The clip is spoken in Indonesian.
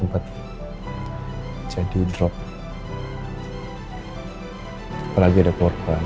apaan ajar jarangan werdam